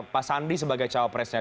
pak sandi sebagai cawapresnya